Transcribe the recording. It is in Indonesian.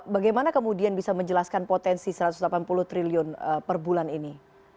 bagaimana kemudian bisa menjelaskan potensi satu ratus delapan puluh triliun per bulan ini